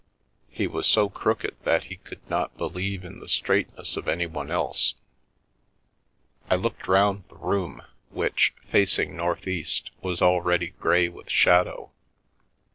He was so crooked that he could not believe in the straightness of anyone else. I looked round the room, which, facing north east, was already grey with shadow.